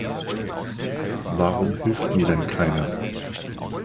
Warum hilft mir denn keiner?